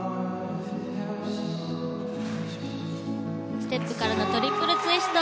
ステップからのトリプルツイスト。